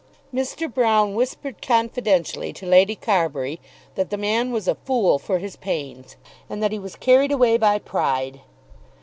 Mr. Broune whispered confidentially to Lady Carbury that the man was a fool for his pains, and that he was carried away by pride.